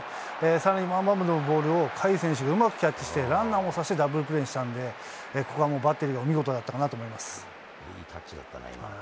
さらにワンバウンドのボールを甲斐選手がうまくキャッチして、ランナーも刺してダブルプレーにしたんで、ここはもうバッテリー、いいタッチだったね、今。